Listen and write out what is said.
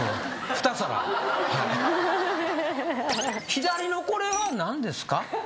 左のこれは何ですか？